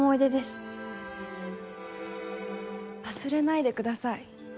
忘れないでください